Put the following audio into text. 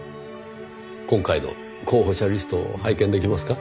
今回の候補者リストを拝見できますか？